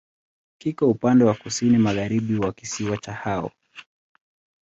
Kiko upande wa kusini-magharibi wa kisiwa cha Hao.